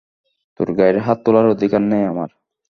তোর গায়ে হাত তোলার অধিকার নেই আমার?